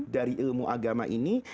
dari ilmu agama ini